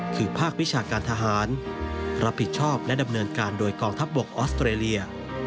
คือภาควิชาการทหารรับผิดชอบและดำเนินการโดยกองทัพบกออสเตรเลีย